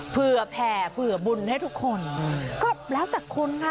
เผื่อแผ่เผื่อบุญให้ทุกคนก็แล้วแต่คุณค่ะ